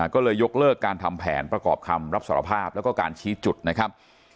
ก็เลยยกเลิกการทำแผนประกอบคำรับสารภาพแล้วก็การชี้จุดนะครับ